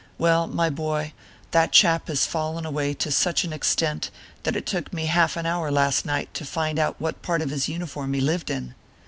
Well, my boy, that chap has fallen away to such an ex tent that it took me half an hour last night to find out what part of his uniform he lived in.